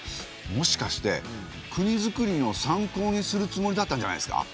もしかして国づくりの参考にするつもりだったんじゃないですか？